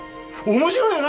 面白いよな！？